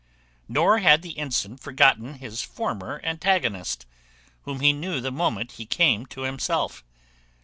Nor had the ensign forgotten his former antagonist, whom he knew the moment he came to himself.